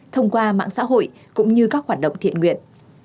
thông qua mạng xã hội cũng như các hoạt động thiện nguyện